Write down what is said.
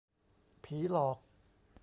ผีหลอก !